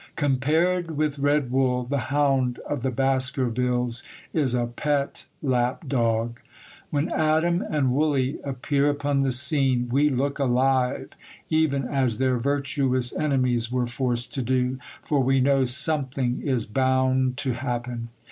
Compared with Red Wull, the Hound of the Baskervilles is a pet lapdog. When Adam and Wullie appear upon the scene, we look alive, even as their virtuous enemies were forced to do, for we know something is bound to happen.